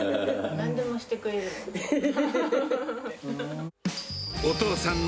なんでもしてくれるの。